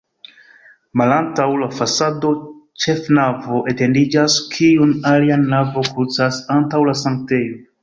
Malantaŭ la fasado ĉefnavo etendiĝas, kiun alia navo krucas antaŭ la sanktejo.